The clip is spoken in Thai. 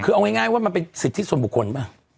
คือเอาง่ายว่ามันเป็นสิทธิส่วนบุคคลป่ะ